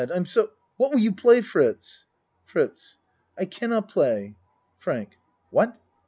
I'm so What will you play, Fritz? FRITZ I cannot play. FRANK What?